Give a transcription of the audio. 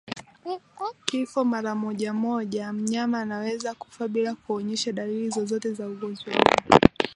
Kifo mara moja moja mnyama anaweza kufa bila kuonyesha dalili zozote za ugonjwa huu